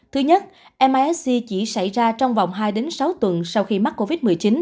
thứ nhất msc chỉ xảy ra trong vòng hai sáu tuần sau khi mắc covid một mươi chín